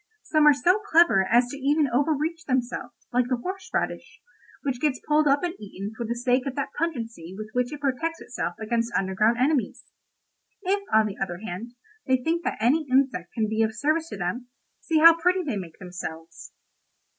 Some are so clever as even to overreach themselves, like the horse radish, which gets pulled up and eaten for the sake of that pungency with which it protects itself against underground enemies. If, on the other hand, they think that any insect can be of service to them, see how pretty they make themselves.